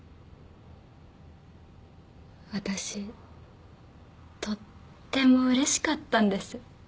私とってもうれしかったんです。